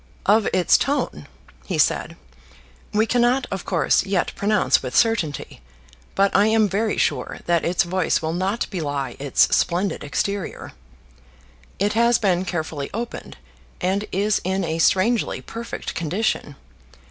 "Of its tone," he said, "we cannot, of course, yet pronounce with certainty, but I am very sure that its voice will not belie its splendid exterior. It has been carefully opened, and is in a strangely perfect condition.